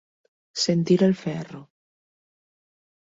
Sentir el ferro.